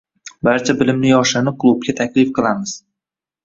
Barcha bilimli yoshlarni klubga taklif qilamiz!